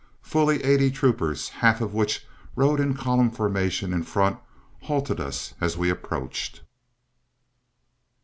Fully eighty troopers, half of which rode in column formation in front, halted us as we approached.